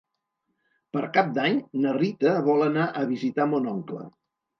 Per Cap d'Any na Rita vol anar a visitar mon oncle.